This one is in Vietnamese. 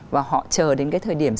và họ chờ đến cái thời điểm